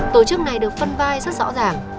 tổ chức này được phân vai rất rõ ràng